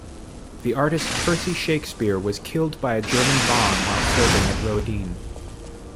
The artist Percy Shakespeare was killed by a German bomb while serving at Roedean.